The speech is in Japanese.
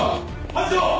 班長！